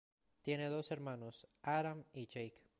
Tiene dos hermanos, Adam y Jake.